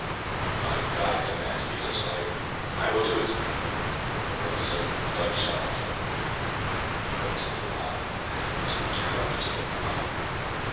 If my God commands me to slay, I will do it, though rivers of blood shall flow " The face of the wild fanatic was terrible to look upon.